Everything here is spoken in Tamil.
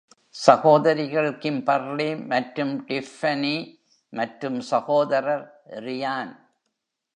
சகோதரிகள் கிம்பர்லி மற்றும் டிஃப்பனி, மற்றும் சகோதரர் ரியான்.